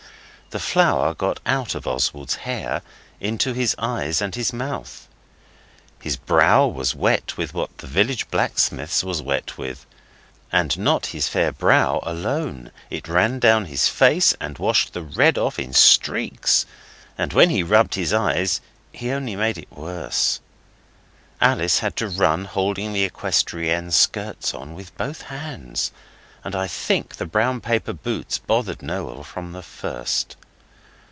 The flour got out of Oswald's hair into his eyes and his mouth. His brow was wet with what the village blacksmith's was wet with, and not his fair brow alone. It ran down his face and washed the red off in streaks, and when he rubbed his eyes he only made it worse. Alice had to run holding the equestrienne skirts on with both hands, and I think the brown paper boots bothered Noel from the first.